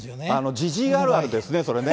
じじいあるあるですね、それね。